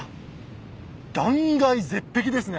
断崖絶壁ですね。